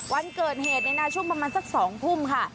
วันเกิดเหตุเนี่ยนะช่วงประมาณสัก๒ทุ่มค่ะ